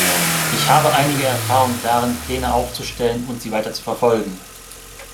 Ich habe einige Erfahrung darin, Pläne aufzustellen und sie weiterzuverfolgen.